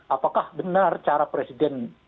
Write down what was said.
apakah benar cara presiden